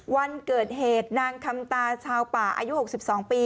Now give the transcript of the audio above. วันเกิดเหตุนางคำตาชาวป่าอายุ๖๒ปี